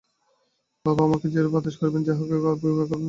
বাবা আমাকে যেরূপ আদেশ করিবেন, যাহাকে বিবাহ করিতে বলিবেন, আমি পালন করিব।